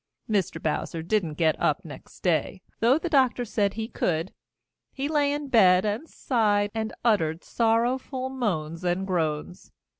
Mr. Bowser didn't get up next day, though the doctor said he could. He lay in bed and sighed and uttered sorrowful moans and groans.